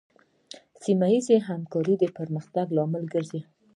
سیمه ایزه همکارۍ د پرمختګ لامل ګرځي.